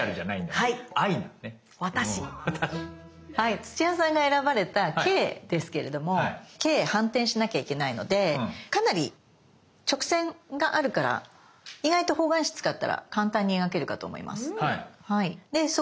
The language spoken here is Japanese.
土屋さんが選ばれた「Ｋ」ですけれども「Ｋ」反転しなきゃいけないのでかなり直線があるから意外と方眼紙使ったら簡単に描けるかと思います。